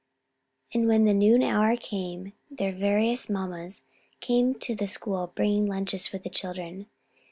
And when the noon hour came their various mammas came to the school bringing lunches for the children.